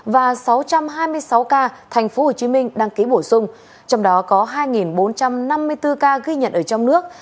và sáu trăm hai mươi sáu ca tp hcm đăng ký bổ sung trong đó có hai bốn trăm năm mươi bốn ca ghi nhận ở trong nước